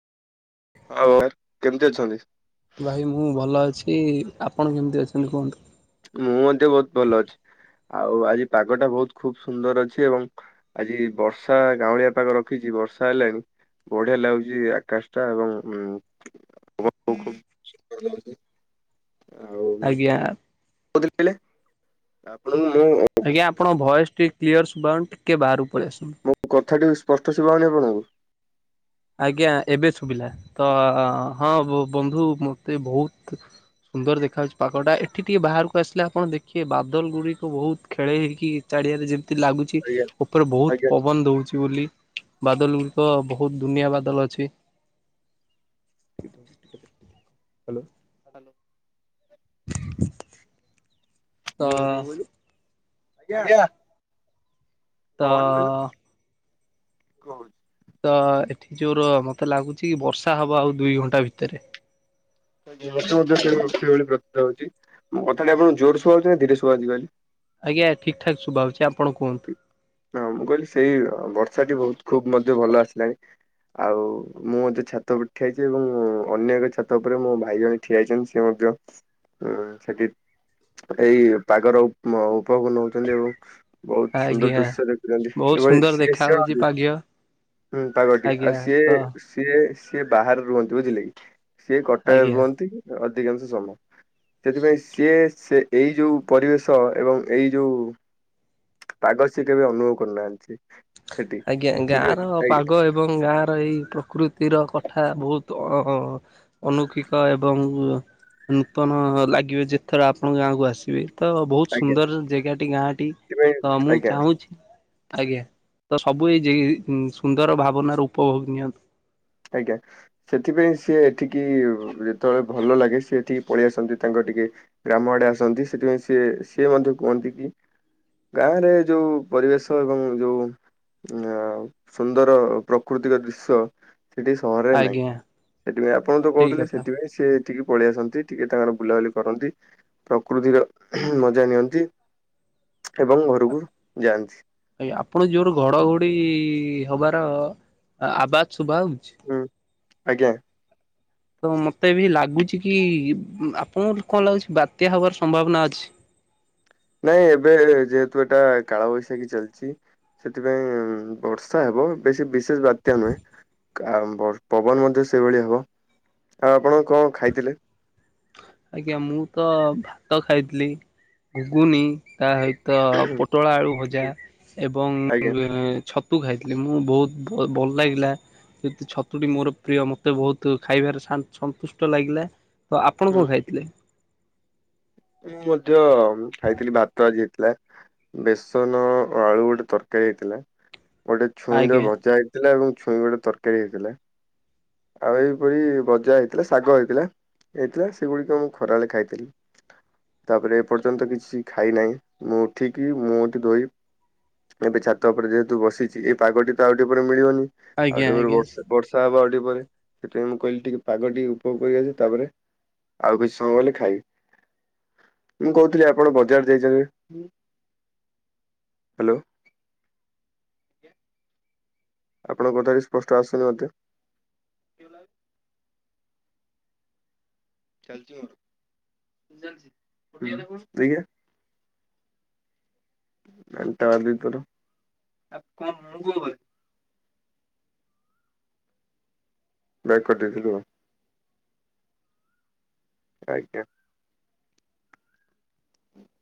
ହଉ କେମତି ଅଛନ୍ତି? ଭାଇ ମୁଁ ଭଲ ଅଛି ଆପଣ କେମିତି ଅଛନ୍ତି କୁହନ୍ତୁ? ମୁଁ ମଧ୍ୟ ବହୁତ ଭଲ ଅଛି ଆଉ ଆଜି ପାଗଟା ବହୁତ ଖୁବ ସୁନ୍ଦର ଅଛି ଏବଂ ଆଜି ବର୍ଷା ଗାଉଁଳିଆ ପାଖ ରଖିଛି ବର୍ଷା ହେଲାଣି। ବଢ଼ିଆ ଲାଗୁଚି ଆକାଶଟା ଏବଂ [unintelligible] ଆଜ୍ଞା ଆଉ କହୁ ଆପଣଙ୍କୁ ମୁ ଆଜ୍ଞା ଆପଣ ଭଏସ୍ ଟିକେ କ୍ଲିୟର ଶୁଭିଯାଉନି ଟିକେ ବାହାରାରୁ ପଳେଇ ଆସନ୍ତୁ। ମଁ କଥାଟି ସ୍ପଷ୍ଟ ସୁବାଯାଉନି ଆପଣଙ୍କୁ? ଆଜ୍ଞା ଏବେ ଶୁଭିଲା ତ ହଁ ବନ୍ଧୁ ମତେ ବହୁତ୍ ସୁନ୍ଦର ଦେଖାହେଉଛି ପାଗଟା ଏଠି ଟିକିେ ବାହାରକୁ ଆସିଲେ ଆପଣ ଦେଖିବେ ବାଦଲ ଗୁଡ଼ିକ ବହୁତ ଖେଳ ହେଇକି ଚାରିଆରେ ଯେମିତି ଲାଗୁଚି ଚି ଆଜ୍ଞା ଉପରେ ବହୁତ୍ ଆଜ୍ଞା। ପବନ ଦଉଚି ବୋଲି ବାଦଲ ଗୁଡ଼ିକ ବହୁତ ଦୁନିଆ ବାଦଲ ଅଛି। [inaudible] ହାଲୋ। [inaudible] [inaudible] ତ ଆଜ୍ଞା‌। ତ [unintelligible] ତ ଏଠି ଯୋଉର ମତେ ଲାଗୁଚ ବର୍ଷା ହବ ଆଉ ଦୁଇ ଘଣ୍ଟା ଭିତରେ। ପ୍ର ହଉଚି ମୋ କଥାଟା ଆପଣଙ୍କୁ ଜୋର ଶୁଣାଯାଉଚିନା ଧୀରେ ଶୁଣିଯାଉଚୀ କଇଲେ? ଆଜ୍ଞା ଠିକ୍ ଠାକ୍ ଶୁବାଯାଉଚି ଆପଣ କୁହନ୍ତୁ। ହଁ ମୁଁ କହିଲି ସେଇ ବର୍ଷାଟି ବହୁତ୍ ଖୁବ ମଧ୍ୟ ଭଲ ଆସିଲାଣି। ଆଉ ମୁଁ ମଧ୍ୟୋ ଛାତ ଉପରେ ଠିଆ ହେଇଚି ଏବଂ ଅନ୍ୟ ଏକ ଛାତ ଉପରେ ମୋ ଭାଇ ଜଣେ ଠିଆ ହେଇଚନ୍ତି ସେମଧ୍ୟ ସେଟି ଏଇ ପାଗର ଉପ ଉପଭୋଗ ନେଉଛନ୍ତି ଏବଂ ବହୁତ୍ ସୁନ୍ଦର ଆଜ୍ଞା ଦୃଶ୍ୟ ଦେଖୁଛନ୍ତି ବହୁତ ଏଭଳି ସୁନ୍ଦର ଦେଖା ହଉଛି ସିଏସିିନ୍ତି ପାଗ୍ୟ ହୁଁ ପାଗଟି ଆଜ୍ଞା ଆଉ ସିଏ ତ ସିଏ ସିଏ ବାହାରେ ରୁହନ୍ତି ବୁଝିଲେକି ସିଏ କଟକରେ ଆଜ୍ଞା। ରୁହନ୍ତି ଅଧିକାଂଶ ସମୟ। ସେଥିପାଇଁ ସିଏ ସେ ଏଇ ଯେଉଁ ପରିବେଶ ଏବଂ ଏଇ ଯେଉଁ ପାଗ ସେକେବେ ଅନୁଭବ କରୁନାହାନ୍ତି‌। ଆଜ୍ଞା ଗାଁର ପାଗ ଏ ଏବଂ ଗାଁର ଏଇ ପ୍ରକୃତିର କଥା ବହୁତ୍ ଅ ଅ ଅନୌକିକ ଏବଂ ନୂତନ ଲାଗିବେ ଯେଥର ଆପଣଙ୍କ ଗାଁକୁ ଆସିବେ। ତ ବହୁତ୍ ଆଜ୍ଞା ସୁନ୍ଦର ଜାଗାଟି ଗାଁଟି ସେଥିପାଇଁ ତମୁଁ ଆଜ୍ଞା ଚାହୁଁଛି ଆଜ୍ଞା। ତ ସବୁ ଏ ଜେ ସୁନ୍ଦର ଭାବନାର ଉପଭୋଗ ନିଅନ୍ତୁ। ଆଜ୍ଞା। ସେଥିପାଇଁ ସିଏ ଏଠିକି ଯେତେବେଳେ ଭଲ ଲାଗେ ସିଏ ଏଠିକି ପଳେଇ ଆସନ୍ତି ତାଙ୍କର ଟିକେ ଗ୍ରାମ ଆଡ଼େ ଆସନ୍ତି ସେଥିପାଇଁ ସିଏ ସିଏ ମଧ୍ୟ କୁହନ୍ତିକି ଗାଁରେ ଯୋଉ ପରିବେଶ ଏବଂ ଯୋଉ ଆ ସୁନ୍ଦର ପ୍ରାକୃତିକ ଦୃଶ୍ୟ ସେଠି ସହରରେ ନାହିଁ ଆଜ୍ଞା ସେଥିପାଇଁ ଆପଣତ ଠିକ କହୁଥିଲେ କଥା। ସେଥିପାଇଁ ସିଏ ଏଠିକି ପଳିଇଆସନ୍ତି ଟିକେ ତାଙ୍କର ବୁଲାବୁଲି କରନ୍ତି ପ୍ରକୃତିର ମଜା ନିଅନ୍ତି ଏବଂ ଘରକୁ ଯାଆନ୍ତି। ଆଜ୍ଞା ଆପଣ ଯୋରେ ଘଡ଼ଘଡ଼ି ହବାର ଆବାଜ ଶୁଭା ହଉଚି? ହୁଁ ଆଜ୍ଞା। ତ ମତେବି ଲାଗୁଚିକି ଆପଣଙ୍କୁ କଣ ଲାଗୁଚି ବାତ୍ୟା ହବାର ସମ୍ଭାବନା ଅଛି। ନାଇଁ ଏବେ ଯେହେତୁ ଏଟା କାଳବୈଶାଖୀ ଚାଲିଛି। ସେଥିପାଇଁ ବର୍ଷା ହେବ ବେଶୀ ବିଶେଷ ବାତ୍ୟା ନୁହେଁ। ତ ଆ ବ ପବନ ମଧ୍ୟ ସେଇଭଳି ହବ ତ ଆପଣ କଣ ଖାଇଥିଲେ? ଆଜ୍ଞା ମୁଁ ତ ଭାତ ଖାଇଥିଲି ଘୁଗୁନି ତା ହ ତ ପୋଟଳ ଆଳୁ ଭଜା ଏବଂ ଆଜ୍ଞା ଛତ ତୁ ଖାଇଥିଲି ମୁଁ ବହୁତ ଭ ଭଲ ଲାଗିଥିଲା। ଛତୁଟି ମୋର ପ୍ରିୟ ମୋତେ ବହୁତ ଖାଇବାରେ ସା ସନ୍ତୁଷ୍ଟ ଲାଗିଲା। ତ ଆପଣ ହୁଁ କଣ ଖାଇଥିଲେ। ମୁଁ ମଧ୍ୟ ଖାଇଥିଲି ଭାତ ଆଜି ହେଇଥିଲା। ବେସନ, ଆଳୁ, ଗୋଟେ ତରକାରୀ ହେଇଥିଲା। ଗୋଟେ ଛୁଇଁ ର ଆଜ୍ଞା ଭଜା ହେଇଥିଲା ଏବଂ ଛୁଇଁ ଗୋଟେ ତରକାରୀ ହେଇଥିଲା। ଆଉ ଏପରି ଭଜା ହେଇଥିଲା ଶାଗ ହେଇଥିଲା ହେଇଥିଲା ସେଗୁଡିକ ମୁଁ ଖରାବେଳେ ଖାଇଥିଲି। ତାପରେ ଏପର୍ଯ୍ୟନ୍ତ କିଛି ଖାଇନାହିଁ ମୁଁ ଉଠିକି ମୁଁ ଏଠି ଧୋଇ ଏବେ ଛାତ ଉପରେ ଯେହେତୁ ବସିଛି ଏଇ ପାଗଟି ତ ଆଉ ଟିକେ ପରେ ମିଳିବନି। ଆଜ୍ଞା ଆଉ ଟିକ ଆଜ୍ଞା। ବର୍ଷା ବର୍ଷା ହବ ଆଉ ଟି ପରେ ସେଥିପାଇଁ ମୁଁ କହିଲି ଟିକେ ପାଗ ଟିକେ ଉପଭୋଗ କରିବା ଯେ ତାପରେ। ଆଉ କିଛି ସମୟ ଗଲେ ଖାଇବି। ମୁଁ କହୁଥିଲି ଆପଣ ବଜାର ଯାଇଛନ୍ତି। ହାଲୋ। ଆପଣଙ୍କ କଥାଟି ସ୍ପଷ୍ଟ ଆସୁନି ମତେ? ଚାଛି ମଠା [unintelligible] ତାଭିତରୁ ଆପଣ କଣ କହିବେ। ବ୍ୟାକ୍ କରିଦେବି ରୁହ। ଆଜ୍ଞା। ହୁଁ।